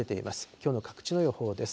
きょうの各地の予報です。